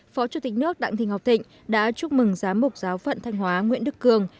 phó chủ tịch nước đặng thị ngọc thịnh đã chúc mừng giám mục giáo phận thanh hóa nguyễn đức cường